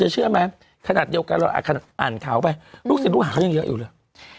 จะเชื่อไหมขณะเดียวกับลูกอาหารข่าวไปลูกศิลป์หาชายอยู่แล้ว